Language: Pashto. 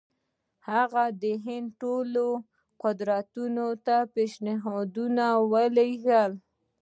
هغه د هند ټولو قوتونو ته پېشنهادونه لېږلي.